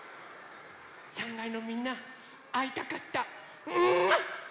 ３かいのみんなあいたかった。